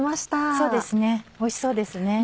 そうですねおいしそうですね。